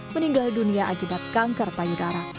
meninggal dunia akibat kanker payudara